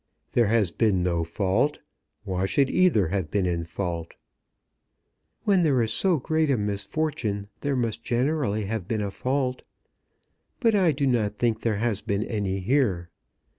"There has been no fault. Why should either have been in fault?" "When there is so great a misfortune there must generally have been a fault. But I do not think there has been any here.